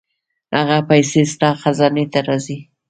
دغه پېسې ستا خزانې ته راځي.